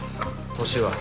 年は？